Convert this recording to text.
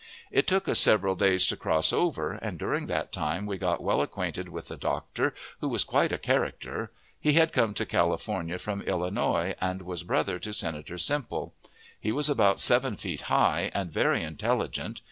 It took us several days to cross over, and during that time we got well acquainted with the doctor, who was quite a character. He had come to California from Illinois, and was brother to Senator Semple. He was about seven feet high, and very intelligent.